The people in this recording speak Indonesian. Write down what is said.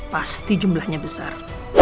pasti jumlahnya besar